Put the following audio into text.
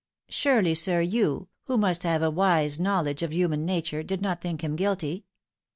Surely, sir, you, who must have a wide knowledge of human nature, did not think him guilty